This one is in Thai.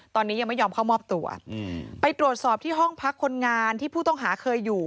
ตอนนี้ยังไม่ยอมเข้ามอบตัวไปตรวจสอบที่ห้องพักคนงานที่ผู้ต้องหาเคยอยู่